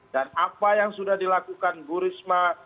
dan apa yang sudah dilakukan guru risma